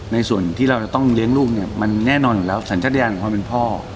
ในส่วนที่เราจะต้องเลี้ยงลูกเนี่ยมันแน่นอนอยู่แล้วสัญชาติยานของความเป็นพ่อ